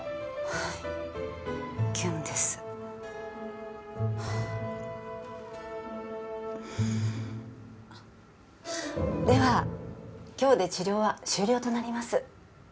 はいキュンですはああっでは今日で治療は終了となります